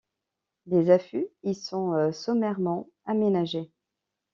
Des affûts y sont sommairement aménagés.